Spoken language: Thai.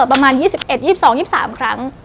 ประมาณ๒๑๒๒๒๓ครั้ง